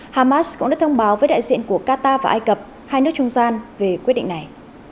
hamas cũng đã thông báo với đại diện của qatar và ai cập hai nước trung gian về quyết định này